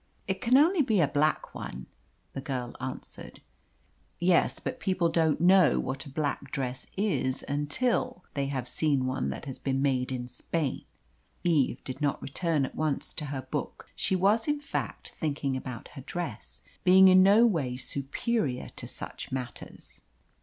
"It can only be a black one," the girl answered. "Yes; but people don't know what a black dress is until they have seen one that has been made in Spain." Eve did not return at once to her book. She was, in fact, thinking about her dress being in no way superior to such matters.